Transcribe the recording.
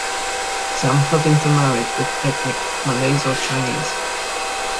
Some have intermarried with ethnic Malays or Chinese.